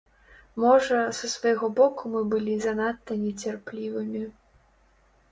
Можа, са свайго боку мы былі занадта нецярплівымі.